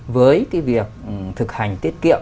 với việc thực hành tiết kiệm